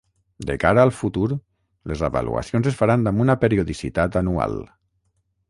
De cara al futur les avaluacions es faran amb una periodicitat anual.